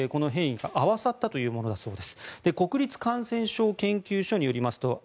この変異が合わさったというものだそうです。